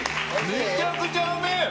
めちゃくちゃ、うめえ！